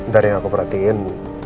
dari yang aku perhatiin